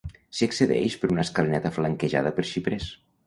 S'hi accedeix per una escalinata flanquejada per xiprers.